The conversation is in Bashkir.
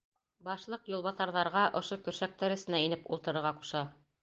Башлыҡ юлбаҫарҙарға ошо көршәктәр эсенә инеп ултырырға ҡуша.